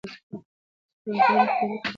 د ټولنپوهنې په تحلیل کې جدیت مهم دی.